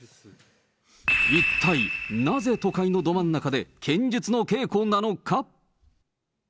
一体、なぜ都会のど真ん中で剣術の稽古なのか？